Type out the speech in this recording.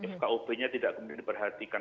fkup nya tidak kemudian diperhatikan